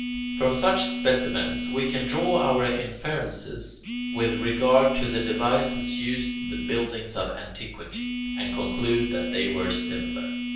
From such specimens we can draw our inferences with regard to the devices used in the buildings of antiquity, and conclude that they were similar.